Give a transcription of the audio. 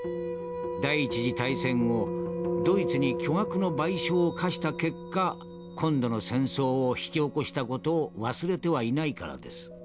第一次大戦後ドイツに巨額の賠償を課した結果今度の戦争を引き起こした事を忘れてはいないからです」。